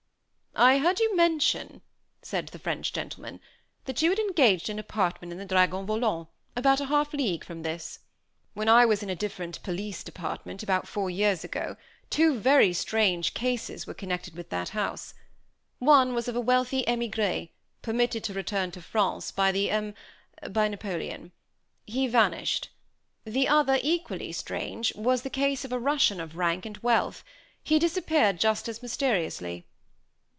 "I heard you mention," said the French gentleman, "that you had engaged an apartment in the Dragon Volant, about half a league from this. When I was in a different police department, about four years ago, two very strange cases were connected with that house. One was of a wealthy émigré, permitted to return to France by the Em by Napoleon. He vanished. The other equally strange was the case of a Russian of rank and wealth. He disappeared just as mysteriously."